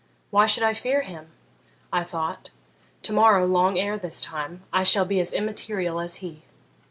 "Why should I fear him?" I thought; "to morrow, long ere this time, I shall be as immaterial as he."